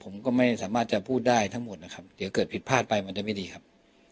ผมก็ไม่สามารถจะพูดได้ทั้งหมดนะครับเดี๋ยวเกิดผิดพลาดไปมันจะไม่ดีครับ